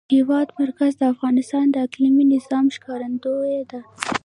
د هېواد مرکز د افغانستان د اقلیمي نظام ښکارندوی ده.